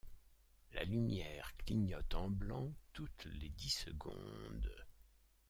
La lumière clignote en blanc toutes les dix secondes.